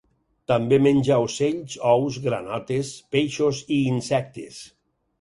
També menja ocells, ous, granotes, peixos i insectes.